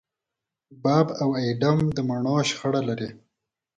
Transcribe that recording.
باب او اېډم د مڼو شخړه لري.